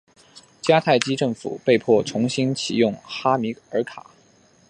迦太基政府被迫重新起用哈米尔卡。